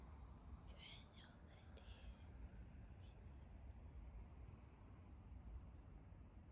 鹤园角北帝庙目前由华人庙宇委员会管理。